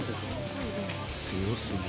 強すぎ。